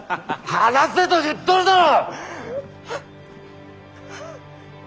放せと言っとるだろ！